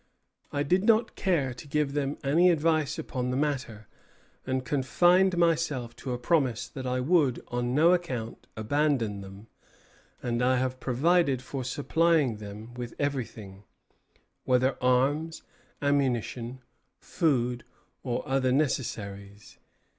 "I did not care to give them any advice upon the matter, and confined myself to a promise that I would on no account abandon them; and I have provided for supplying them with everything, whether arms, ammunition, food, or other necessaries.